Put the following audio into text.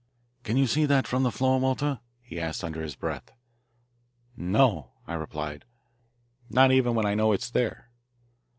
"Can you see that from the floor, Walter?" he asked under his breath. "No," I replied, "not even when I know it is there."